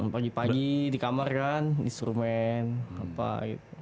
pagi pagi di kamar kan instrumen apa gitu